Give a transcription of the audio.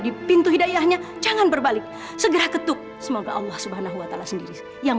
di pintu hidayahnya jangan berbalik segera ketuk semoga allah subhanahu wa ta'ala sendiri yang